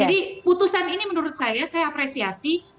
jadi putusan ini menurut saya saya apresiasi